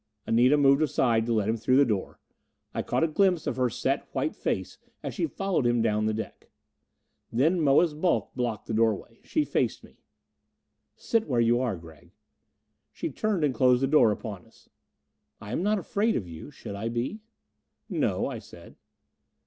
Anita moved aside to let him through the door. I caught a glimpse of her set white face as she followed him down the deck. Then Moa's bulk blocked the doorway. She faced me. "Sit where you are, Gregg." She turned and closed the door upon us. "I am not afraid of you. Should I be?" "No," I said.